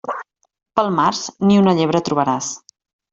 Pel març, ni una llebre trobaràs.